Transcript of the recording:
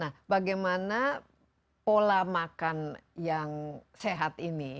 nah bagaimana pola makan yang sehat ini